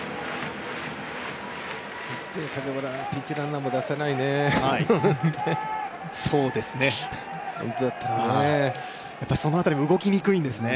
１点差だとピンチランナーも出せないね。